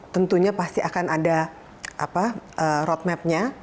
tentunya pasti akan ada roadmap nya